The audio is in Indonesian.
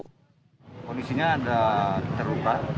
kondisinya ada terluka